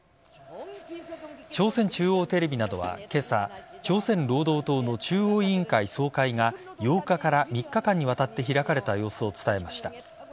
朝鮮中央テレビなどは今朝朝鮮労働党の中央委員会総会が８日から３日間にわたって開かれた様子を伝えました。